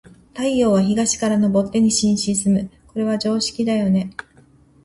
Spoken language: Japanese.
太陽は、東から昇って西に沈む。これは常識だよね。